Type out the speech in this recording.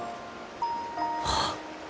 あっ。